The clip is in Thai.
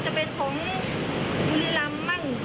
แถวในสุรินทร์เราก็มีค่ะ